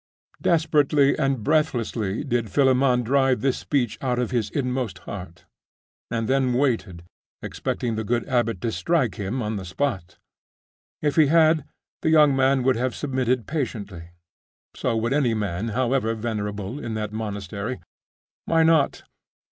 Desperately and breathlessly did Philammon drive this speech out of his inmost heart; and then waited, expecting the good abbot to strike him on the spot. If he had, the young man would have submitted patiently; so would any man, however venerable, in that monastery. Why not?